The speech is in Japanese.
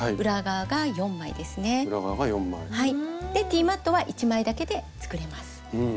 ティーマットは１枚だけで作れます。